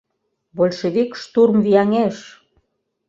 «Большевик штурм вияҥеш!»